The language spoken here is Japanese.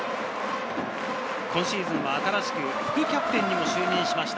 今シーズンは副キャプテンに就任しました。